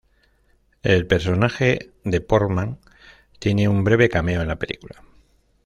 El personaje de Portman tiene un breve cameo en la película.